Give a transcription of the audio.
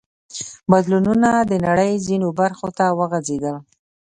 بدلونونه د نړۍ ځینو برخو ته وغځېدل.